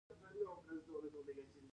مني کې د ونو پاڼې رژېږي